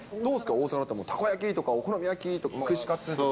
大阪だと、たこ焼きとか、お好み焼きとか、串カツとか。